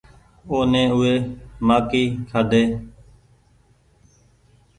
او ني او وي مآڪي کآڍي ۔